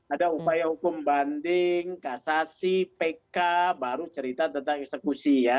ada upaya hukum banding kasasi pk baru cerita tentang eksekusi ya